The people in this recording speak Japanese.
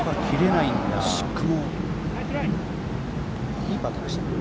いいパットでしたけどね。